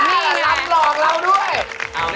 นี่ครับหลอกเราด้วย